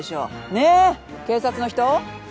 ねぇ警察の人。